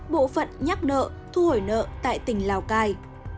bộ phận nhắc nợ thu hồi nợ tại tỉnh lào cai